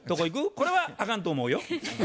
これはあかんと思うよ。